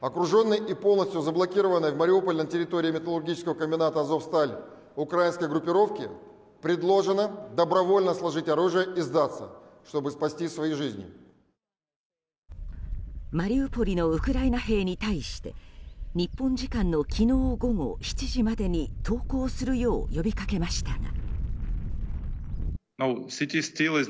マリウポリのウクライナ兵に対して日本時間の昨日午後７時までに投降するよう呼びかけましたが。